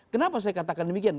kenapa saya katakan demikian